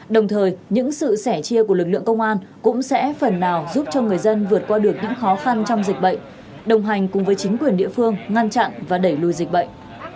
đồng thời những sự sẻ chia của lực lượng công an cũng sẽ phần nào giúp cho người dân vượt qua được những khó khăn trong dịch bệnh đồng hành cùng với chính quyền địa phương ngăn chặn và đẩy lùi dịch bệnh